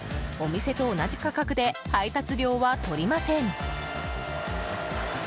お店と同じ価格で配達料は取りません。